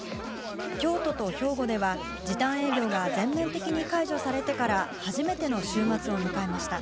京都と兵庫では時短営業が全面的に解除されてから初めての週末を迎えました。